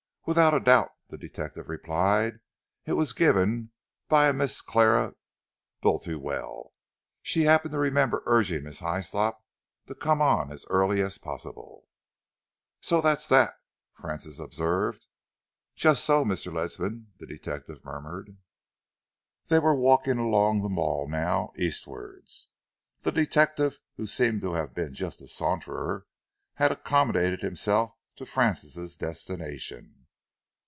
"Without a doubt," the detective replied. "It was given by a Miss Clara Bultiwell. She happens to remember urging Miss Hyslop to come on as early as possible." "So that's that," Francis observed. "Just so, Mr. Ledsam," the detective murmured. They were walking along the Mall now, eastwards. The detective, who seemed to have been just a saunterer, had accommodated himself to Francis' destination.